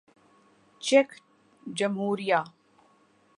check جمہوریہ